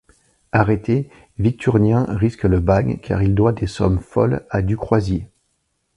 Arrêté, Victurnien risque le bagne car il doit des sommes folles à Du Croisier.